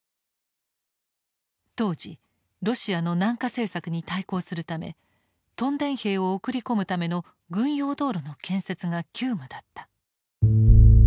当時ロシアの南下政策に対抗するため屯田兵を送り込むための軍用道路の建設が急務だった。